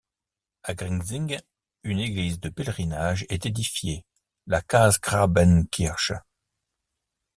À Grinzing, une église de pèlerinage est édifiée, la Kaasgrabenkirche.